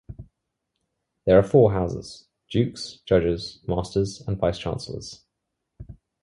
There are four houses - Dukes, Judges, Masters and Vice-Chancellors.